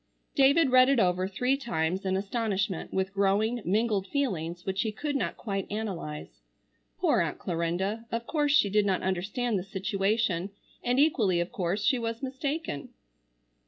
David read it over three times in astonishment with growing, mingled feelings which he could not quite analyze. Poor Aunt Clarinda! Of course she did not understand the situation, and equally of course she was mistaken.